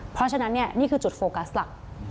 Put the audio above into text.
เพราะฉะนั้นนี่คือจุดโฟกัสหลัก